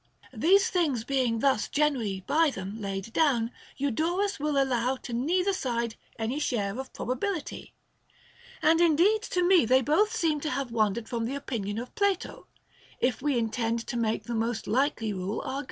These things being thus generally by them laid down, Eudorus will allow to neither side any share of probability ; and indeed to me they both seem to have wandered from the opinion of Plato, if we intend to make the most likely rule our OF THE PROCREATION OF THE SOUL.